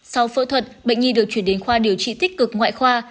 sau phẫu thuật bệnh nhi được chuyển đến khoa điều trị tích cực ngoại khoa